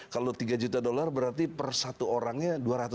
kalau tiga juta dolar berarti per satu orangnya